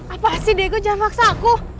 apa sih diego jangan maksa aku